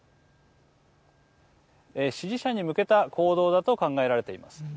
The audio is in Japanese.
支持者に向けた行動だと考えられています。